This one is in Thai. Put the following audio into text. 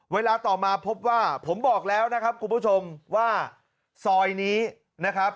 เวลาต่อมาพบว่าผมบอกแล้วนะครับคุณผู้ชมว่าซอยนี้นะครับ